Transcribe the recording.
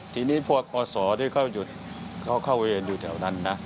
ทีนี้พวกออสอที่เข้าอยู่เขาเข้าเองอยู่แถวนั้นนะ